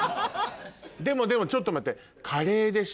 でもでもちょっと待って。